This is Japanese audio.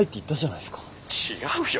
違うよ。